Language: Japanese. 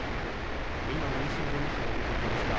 今、波汐容疑者が出てきました。